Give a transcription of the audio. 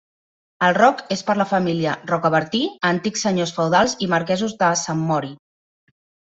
El roc és per la família Rocabertí, antics senyors feudals i marquesos de Sant Mori.